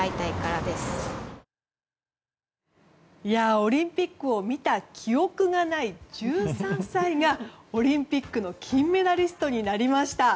オリンピックを見た記憶がない１３歳がオリンピックの金メダリストになりました。